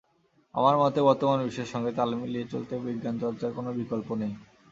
আমার মতে, বর্তমান বিশ্বের সঙ্গে তাল মিলিয়ে চলতে বিজ্ঞানচর্চার কোনো বিকল্প নেই।